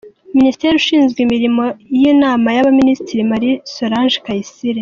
Ministre ushinzwe imirimo y’inama y’abaministre ni Marie Solange Kayisire